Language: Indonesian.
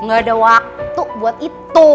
gak ada waktu buat itu